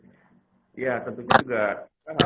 pembukaan bioskop ini justru tidak akan menjadi